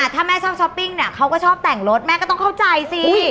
ถ้าแม่ชอบช้อปปิ้งเนี่ยเขาก็ชอบแต่งรถแม่ก็ต้องเข้าใจสิ